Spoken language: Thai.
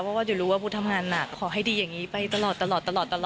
เพราะว่าจะรู้ว่าผู้ทำงานหนักขอให้ดีอย่างงี้ไปตลอด